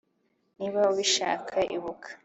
niba ubishaka, ibuka